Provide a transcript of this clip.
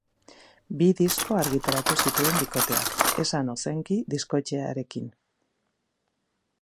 Bi disko argitaratu zituen bikoteak Esan Ozenki diskoetxearekin.